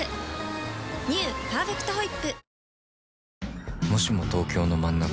「パーフェクトホイップ」